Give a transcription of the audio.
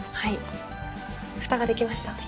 ふたができました。